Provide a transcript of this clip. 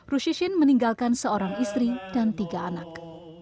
rushishin meninggalkan seorang istri dan tiga anak